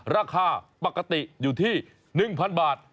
ราคาปกติอยู่ที่๑๐๐๐บาท